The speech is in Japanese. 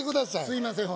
すいません